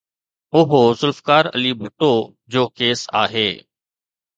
اهو ذوالفقار علي ڀٽو جو ڪيس آهي.